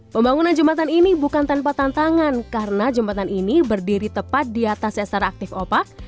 pembangunan jembatan ini bukan tanpa tantangan karena jembatan ini berdiri tepat di atas sesar aktif opak